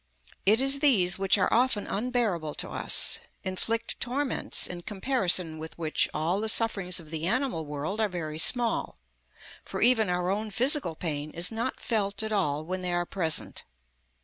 It is these which are often unbearable to us—inflict torments in comparison with which all the sufferings of the animal world are very small; for even our own physical pain is not felt at all when they are present.